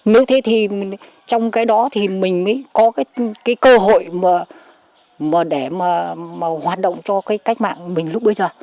nếu thế thì trong cái đó thì mình mới có cái cơ hội mà để mà hoạt động cho cái cách mạng mình lúc bây giờ